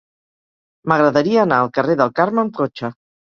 M'agradaria anar al carrer del Carme amb cotxe.